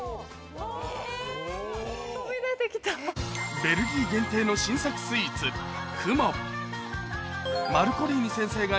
ベルギー限定の新作スイーツＫＵＭＯはい。